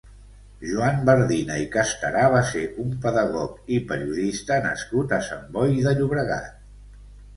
Joan Bardina i Castarà va ser un pedagog i periodista nascut a Sant Boi de Llobregat.